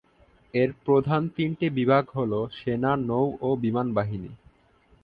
এর প্রধান তিনটি বিভাগ হলো সেনা, নৌ ও বিমান বাহিনী।